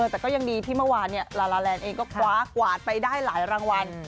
แต่ก็ยังดีที่เมื่อวานลาลาแลนด์เองก็คว้ากวาดไปได้หลายรางวัล